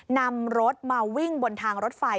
นำรถมาวิ่งบนทางรถไฟ